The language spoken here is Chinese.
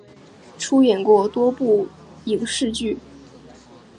出演过多部影视剧。